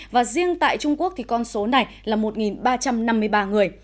và riêng tại trung quốc thì con số này là một ba trăm năm mươi ba người